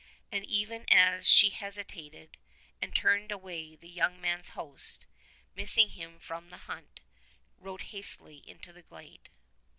And even as she hesi tated and turned away the young man's host, missing him from the hunt, rode hastily into the glade.